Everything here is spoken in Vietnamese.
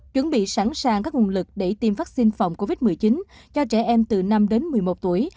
chuẩn bị sẵn sàng các nguồn lực để tiêm vaccine phòng covid một mươi chín cho trẻ em từ năm đến một mươi một tuổi